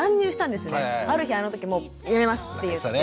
ある日あの時もうやめますって言って。